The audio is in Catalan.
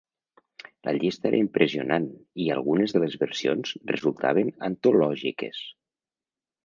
La llista era impressionant, i algunes de les versions resultaven antològiques.